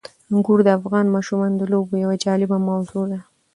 انګور د افغان ماشومانو د لوبو یوه جالبه موضوع ده.